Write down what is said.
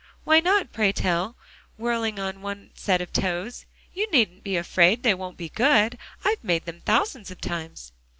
"Why not, pray tell," whirling on one set of toes. "You needn't be afraid they won't be good. I've made them thousands of times."